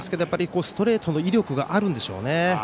ストレートの威力があるんでしょうね。